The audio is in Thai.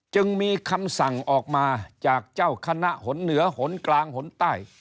จึงมีคำสั่งออกมาจากเจ้าคณะหนเหนือหนกลางหนใต้